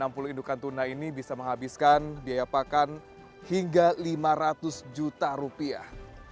enam puluh indukan tuna ini bisa menghabiskan biaya pakan hingga lima ratus juta rupiah